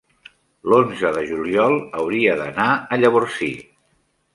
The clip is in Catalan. l'onze de juliol hauria d'anar a Llavorsí.